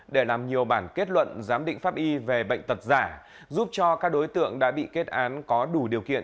để làm nhiều bản kết luận giám định pháp y về bệnh tật giả giúp cho các đối tượng đã bị kết án có đủ điều kiện